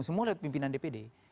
semua lewat pimpinan dpd